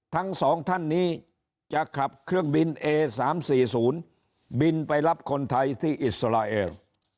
ทั้งสองท่านนี้จะขับเครื่องบินเอ๓๔๐บินไปรับคนไทยที่อิสราเอล